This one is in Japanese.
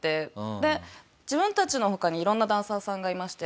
で自分たちの他にいろんなダンサーさんがいまして。